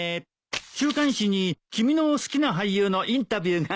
週刊誌に君の好きな俳優のインタビューが載ってたんだ。